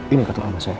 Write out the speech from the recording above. ini kartu almas saya